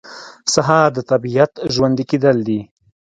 سهار د طبیعت ژوندي کېدل دي.